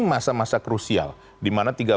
masa masa krusial di mana